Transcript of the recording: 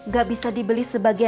gak bisa dibeli sebagian aja